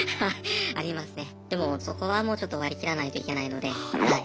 でもそこはもうちょっと割り切らないといけないのではい。